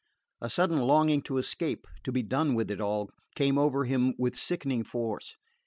A sudden longing to escape, to be done with it all, came over him with sickening force.